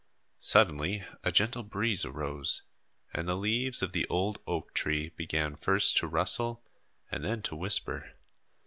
Suddenly a gentle breeze arose and the leaves of the old oak tree began first to rustle and then to whisper.